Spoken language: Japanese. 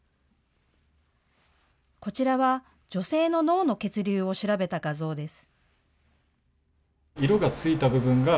こちらは女性の脳の血流を調べた画像です。